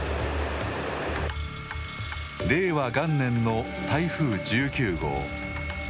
令和元年の台風１９号。